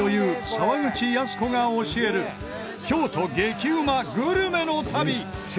沢口靖子が教える京都激うまグルメの旅。